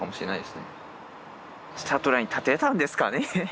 スタートラインに立てたんですかね。